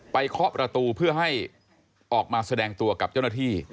เคาะประตูเพื่อให้ออกมาแสดงตัวกับเจ้าหน้าที่